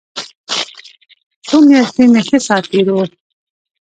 څو مياشتې مې ښه ساعت تېر و.